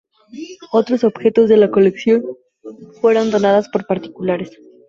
Otros objetos de la colección fueron donadas por particulares.